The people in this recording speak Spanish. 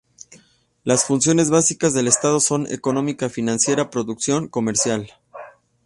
Las funciones básicas del estado son económica financiera, producción, comercial.